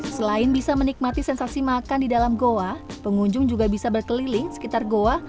selain bisa menikmati sensasi makan di dalam goa pengunjung juga bisa berkeliling sekitar goa